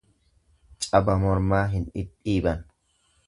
Caba mormaa hin dhidhiiban.